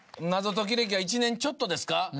謎解き歴は１年ちょっとですか。